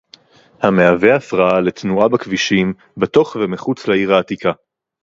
המהווה הפרעה לתנועה בכבישים בתוך ומחוץ לעיר העתיקה